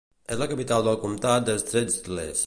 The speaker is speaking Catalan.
És la capital del comtat de Strzelce.